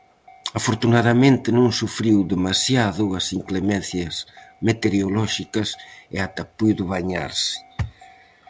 Afortunadamente non sufriu demasiado as inclemencias meteorolóxicas, e ata puido bañarse.